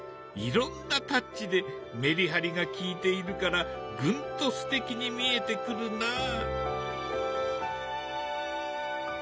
いろんなタッチでメリハリがきいているからぐんとすてきに見えてくるな。